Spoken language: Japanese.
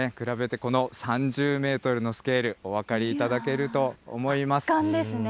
比べてこの３０メートルのスケール、お分かりいただけると思います。